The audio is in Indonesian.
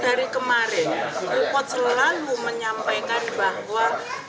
dari kemarin freeport selalu menyampaikan bahwa